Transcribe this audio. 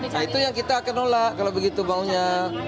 nah itu yang kita akan nolak kalau begitu maunya